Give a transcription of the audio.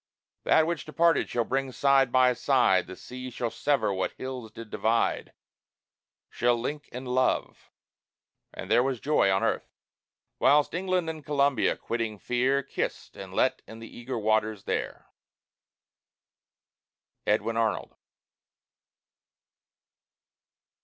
That which departed shall bring side by side, The sea shall sever what hills did divide; Shall link in love." And there was joy on earth; Whilst England and Columbia, quitting fear, Kissed and let in the eager waters there. EDWIN ARNOLD.